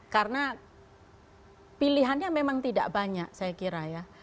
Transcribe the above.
karena pilihannya memang tidak banyak saya kira ya